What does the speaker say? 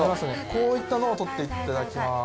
こういったのをとっていただきます。